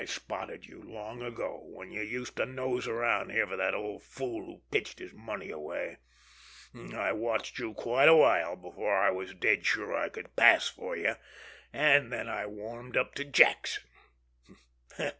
I spotted you long ago when you used to nose around here for that old fool who pitched his money away. I watched you quite a while before I was dead sure I could pass for you—and then I warmed up to Jackson.